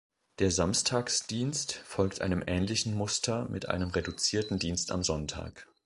Der Samstagsdienst folgt einem ähnlichen Muster mit einem reduzierten Dienst am Sonntag.